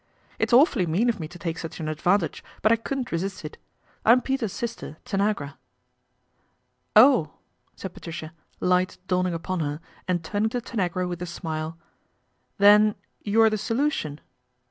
" It's awfully mean of me to take such an advantage, but I couldn't ! resist it. I'm Peter's sister, Tanagra." " Oh !" said Patricia, light dawning upon her ind turning to Tanagra with a smile, " Then you're the solution